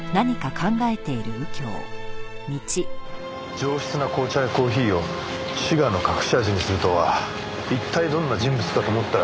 上質な紅茶やコーヒーをシガーの隠し味にするとは一体どんな人物かと思ったら。